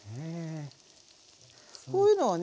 こういうのをね